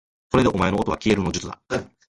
これでお前のおとはきえるの術だ